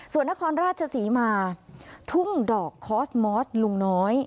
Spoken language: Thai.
ส่วนนครราชศรีมาทุ่งดอกคอสมอสลุงน้อย